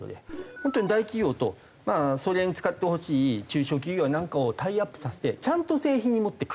本当に大企業とそれに使ってほしい中小企業なんかをタイアップさせてちゃんと製品にもっていく。